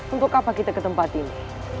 untuk apa kita ke tempat ini